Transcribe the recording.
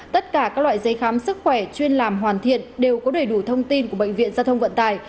tất cả các loại giấy khám sức khỏe chuyên làm hoàn thiện đều có đầy đủ thông tin của bệnh viện giao thông vận tải